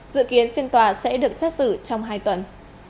dự kiến phiên tòa sẽ được xét xử trong hai tuần